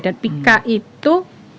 dan pika itu